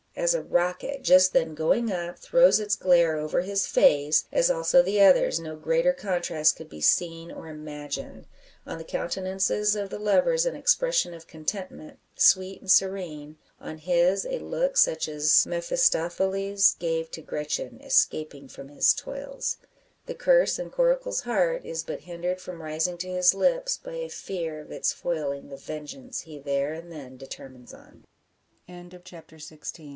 As a rocket, just then going up, throws its glare over his face, as also the others, no greater contrast could be seen or imagined. On the countenances of the lovers an expression of contentment, sweet and serene; on his a look such as Mephistopheles gave to Gretchen escaping from his toils. The curse in Coracle's heart is but hindered from rising to his lips by a fear of its foiling the vengeance he there and then determines on. Volume One, Chapter XVII. THE "CORPSE CANDLE."